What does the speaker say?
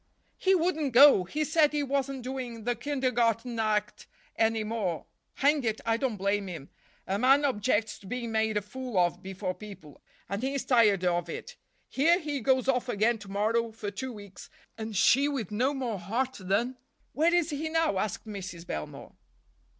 "He wouldn't go—he said he wasn't doing the kindergarten act any more. Hang it, I don't blame him. A man objects to being made a fool of before people, and he's tired of it. Here he goes off again to morrow for two weeks, and she with no more heart than—" "Where is he now?" asked Mrs. Belmore.